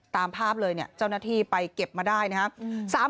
ตามภาพเลยเนี่ยเจ้าหน้าที่ไปเก็บมาได้นะครับ